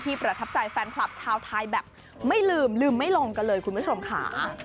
ประทับใจแฟนคลับชาวไทยแบบไม่ลืมลืมไม่ลงกันเลยคุณผู้ชมค่ะ